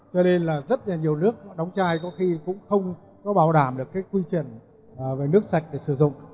cho nên là rất là nhiều nước đóng chai có khi cũng không có bảo đảm được cái quy chuẩn về nước sạch để sử dụng